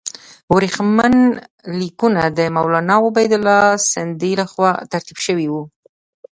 ورېښمین لیکونه د مولنا عبیدالله سندي له خوا ترتیب شوي وو.